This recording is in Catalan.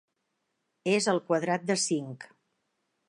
És el quadrat de cinc.